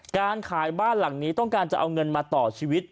การขายบ้านหลังนี้ต้องการจะเอาเงินมาต่อชีวิต